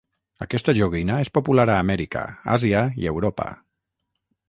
Aquesta joguina és popular a Amèrica, Àsia i Europa.